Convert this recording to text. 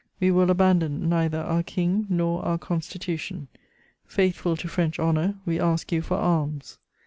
We will abandon neither our King nor our Constitution. Faithful to French honour, we ask you for arms.